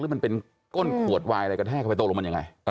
เดี๋ยวก้นขวดไหวลัยกระแทกเข้าไปโตะลงมันยังไง